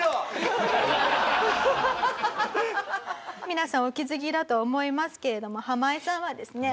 皆さんお気づきだと思いますけれどもハマイさんはですね。